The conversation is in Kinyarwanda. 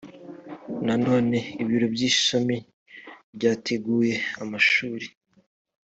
nanone ibiro by ishami byateguye amashuri